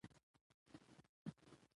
هوا د افغان ښځو په ژوند کې رول لري.